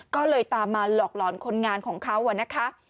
ก็เลยตามมาหลอกหลอนคนงานของเขานะคะ